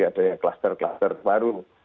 ada yang klaster klaster baru